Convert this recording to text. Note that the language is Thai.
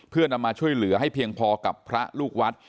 เพื่อนำมาช่วยเหลือให้เพียงพอกับพระลูกวัด